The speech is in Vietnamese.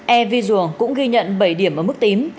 e visual cũng ghi nhận bảy điểm ở mức tím